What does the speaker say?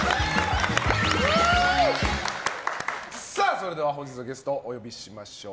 それでは本日のゲストをお呼びしましょう。